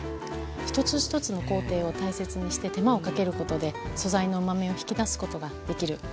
一つ一つの工程を大切にして手間をかけることで素材のうまみを引き出すことができる。